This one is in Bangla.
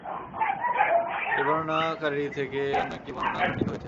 এই বর্ণনাকারী থেকে অন্য একটি বর্ণনা বর্ণিত রয়েছে।